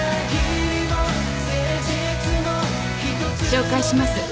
紹介します。